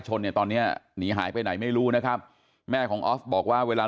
ชนเนี่ยตอนเนี้ยหนีหายไปไหนไม่รู้นะครับแม่ของออฟบอกว่าเวลา